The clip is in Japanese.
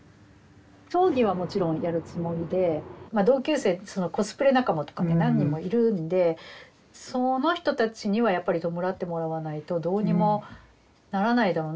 葬儀はもちろんやるつもりでまあ同級生そのコスプレ仲間とかね何人もいるんでその人たちにはやっぱり弔ってもらわないとどうにもならないだろうな。